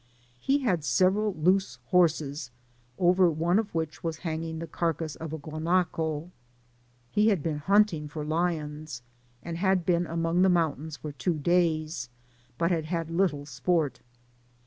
He had several loose horses, over one of which was hanging the carcass of a guanaco. He had been hunting for lions, and had been among the mountains for two days, but had had little sport.